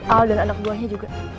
al dan anak buahnya juga